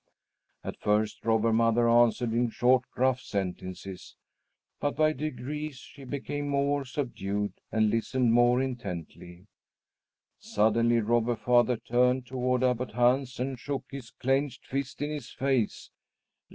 At first Robber Mother answered in short, gruff sentences, but by degrees she became more subdued and listened more intently. Suddenly Robber Father turned toward Abbot Hans and shook his clenched fist in his face.